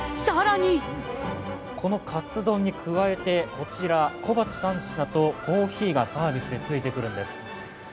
更にこのカツ丼に加えて、こちら、小鉢３品とコーヒーがサービスでついてくるんです。